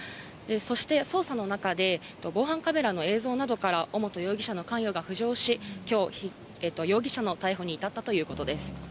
そして捜査の中で防犯カメラの映像などから尾本容疑者の関与が浮上し、きょう、容疑者の逮捕に至ったということです。